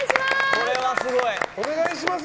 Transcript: これはすごい！お願いします。